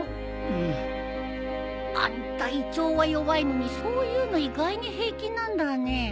うん。あんた胃腸は弱いのにそういうの意外に平気なんだね。